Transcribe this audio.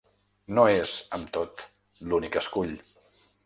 No és, amb tot, l’únic escull.